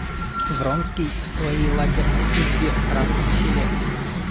Вронский в своей лагерной избе в Красном селе.